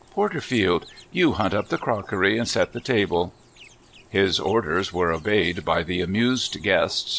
Porterfield, you hunt up the crockery and set the table." His orders were obeyed by the amused guests, (46) LOCK LEY.